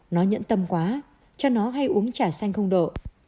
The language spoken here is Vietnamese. nó nhẫn tâm quá cho nó hay uống trà xanh không độ